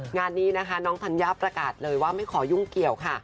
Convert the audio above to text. งานนี้นะคะน้องธัญญาประกาศเลยว่าไม่ขอยุ่งเกี่ยวค่ะ